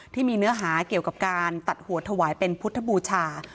ที่มีเนื้อหาเกี่ยวกับการตัดหัวถวายเป็นพุทธบูชา